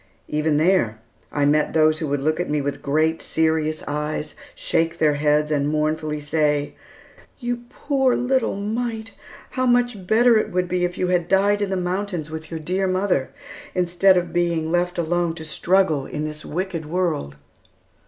Even there, I met those who would look at me with great serious eyes, shake their heads, and mournfully say, "You poor little mite, how much better it would be if you had died in the mountains with your dear mother, instead of being left alone to struggle in this wicked world!"